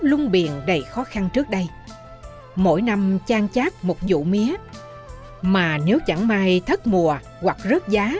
lung biển đầy khó khăn trước đây mỗi năm trang chát một vụ mía mà nếu chẳng mai thất mùa hoặc rớt giá